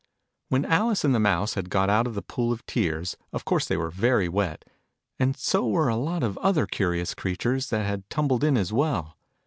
When Alice and the Mouse had got out of the Pool of Tears, of course they were very wet : and so were a lot of other curious creatures, that had tumbled in as well.